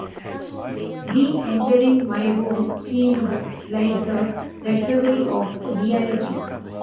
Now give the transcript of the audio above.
Re-entering my room seemed like the recovery of reality.